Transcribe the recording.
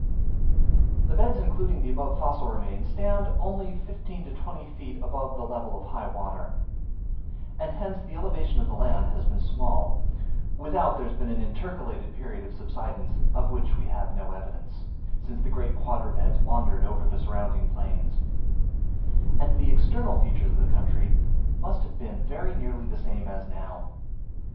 The beds including the above fossil remains, stand only from fifteen to twenty feet above the level of high water; and hence the elevation of the land has been small (without there has been an intercalated period of subsidence, of which we have no evidence) since the great quadrupeds wandered over the surrounding plains; and the external features of the country must then have been very nearly the same as now.